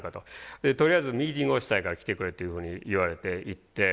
とりあえずミーティングをしたいから来てくれっていうふうに言われて行って。